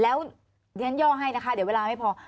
เอาให้นะคะเดี๋ยวเวลาไม่พอ